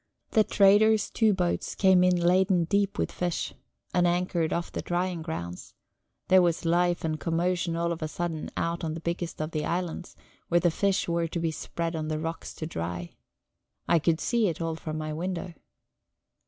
The trader's two boats came in laden deep with fish, and anchored off the drying grounds; there was life and commotion all of a sudden out on the biggest of the islands, where the fish were to be spread on the rocks to dry. I could see it all from my window.